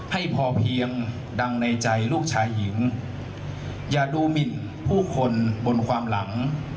ให้พอเพียงดังในใจลูกชายหญิงอย่าดูหมินผู้คนบนความหลัง